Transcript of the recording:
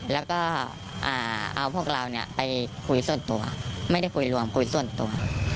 แล้วก็เอาพวกเราไปคุยส่วนตัวไม่ได้คุยรวมคุยส่วนตัว